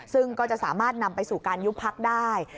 ซึ่งก็จะสามารถนำไปสู่การยุบพักได้